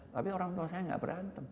tapi orang tua saya nggak berantem